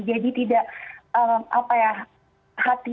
jadi tidak apa ya hati hati